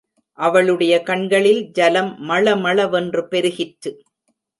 அவளுடைய கண்களில் ஜலம் மள மள வென்று பெருகிற்று.